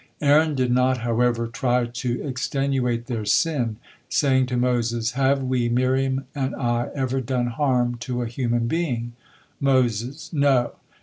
Aaron did not, however, try to extenuate their sin, saying to Moses: "Have we, Miriam and I, ever done harm to a human being?" Moses: "No."